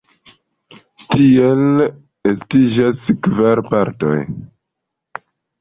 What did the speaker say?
Tiel estiĝas kvar partoj.